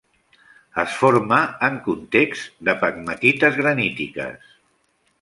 Es forma en contexts de pegmatites granítiques.